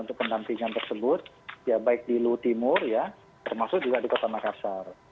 untuk pendampingan tersebut ya baik di luw timur ya termasuk juga di kota makassar